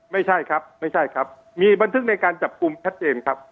ไม่ใช่ครับไม่ใช่ครับมีบันทึกในการจับกลุ่มชัดเจนครับ